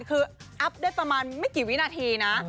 คืออัพได้ประมาณไม่กี่วินาทีนะ